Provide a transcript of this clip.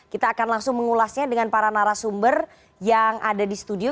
kita akan langsung mengulasnya dengan para narasumber yang ada di studio